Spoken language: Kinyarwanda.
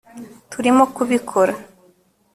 turimo kubikora